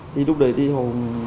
thì lúc đấy thì họ